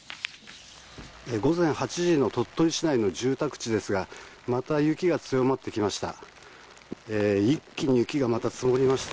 午前８時の鳥取市内の住宅地ですがまた雪が強まってきました。